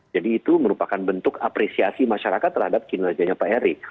jadi itu merupakan bentuk apresiasi masyarakat terhadap kinerjanya pak erick